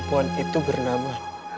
wulan itu bernama